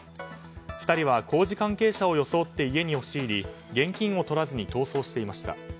２人は工事関係者を装って家に押し入り現金を取らずに逃走していました。